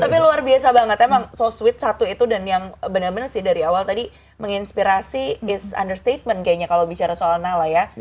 tapi luar biasa banget emang so sweet satu itu dan yang benar benar sih dari awal tadi menginspirasi is understatement kayaknya kalau bicara soal nala ya